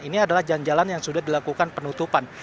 ini adalah jalan jalan yang sudah dilakukan penutupan